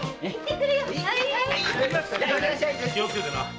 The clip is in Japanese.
気をつけてな。